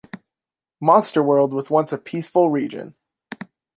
Monster World was once a peaceful region.